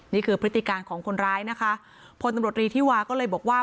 พฤติการของคนร้ายนะคะพลตำรวจรีธิวาก็เลยบอกว่า